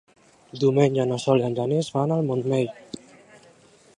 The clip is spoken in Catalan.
Diumenge na Sol i en Genís van al Montmell.